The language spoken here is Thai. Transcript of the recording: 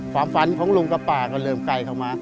ความฝันของกระป้าก็เริ่มไกลเข้ามา